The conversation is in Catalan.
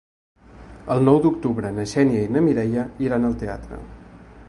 El nou d'octubre na Xènia i na Mireia iran al teatre.